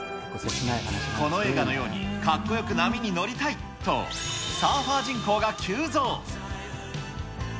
この映画のように、かっこよく波に乗りたいと、サーファー人口が急増。